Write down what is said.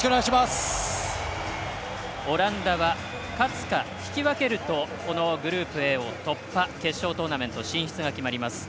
オランダは勝つか引き分けるとこのグループＡを突破決勝トーナメント進出が決まります。